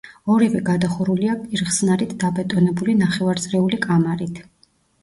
ორივე გადახურულია კირხსნარით დაბეტონებული ნახევარწრიული კამარით.